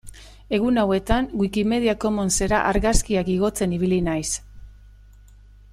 Egun hauetan Wikimedia Commonsera argazkiak igotzen ibili naiz.